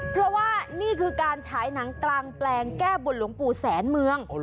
เพราะว่านี่คือการฉายหนังกลางแปลงแก้บนหลวงปู่แสนเมือง